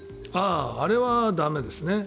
あれは駄目ですね。